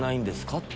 って。